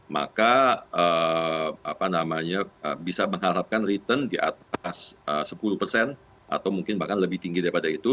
maka bisa mengharapkan return di atas sepuluh persen atau mungkin bahkan lebih tinggi daripada itu